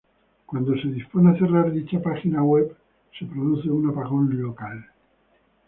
Cuando se dispone a cerrar dicha página web, se produce un apagón local.